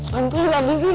bantu juga abisin